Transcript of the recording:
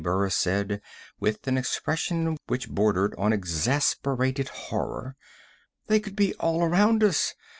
Burris said, with an expression which bordered on exasperated horror. "They could be all around us.